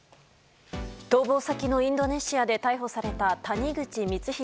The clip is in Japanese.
逃亡先のインドネシアで逮捕された谷口光弘